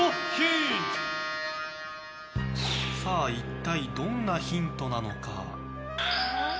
さあ、一体どんなヒントなのか。